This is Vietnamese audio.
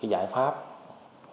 của các nhà hậu tâm